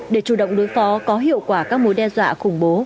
để chủ động đối phó có hiệu quả các mối đe dọa khủng bố